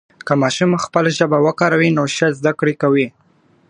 که ماشوم خپله ژبه وکاروي نو ښه زده کړه کوي.